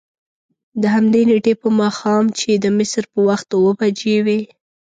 د همدې نېټې په ماښام چې د مصر په وخت اوه بجې وې.